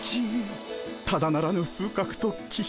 ただならぬ風格と気品。